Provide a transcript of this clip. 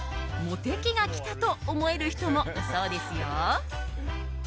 モテ期が来たと思える人もいそうですよ。